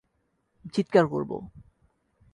আমি চিৎকার করবো।